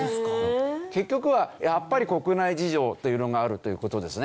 結局はやっぱり国内事情というのがあるという事ですね。